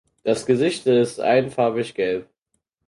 Das Gesicht ist einfarbig gelb.